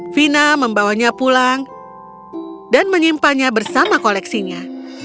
vina membawanya pulang dan menyimpannya bersama koleksinya